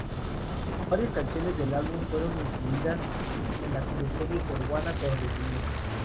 Varias canciones del álbum fueron incluidas en la teleserie peruana Torbellino.